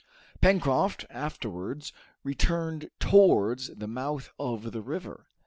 Pencroft afterwards returned towards the mouth of the river.